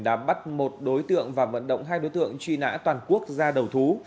đã bắt một đối tượng và vận động hai đối tượng truy nã toàn quốc ra đầu thú